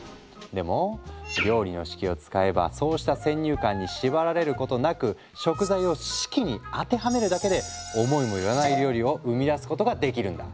でも料理の式を使えばそうした先入観に縛られることなく食材を式に当てはめるだけで思いもよらない料理を生み出すことができるんだ。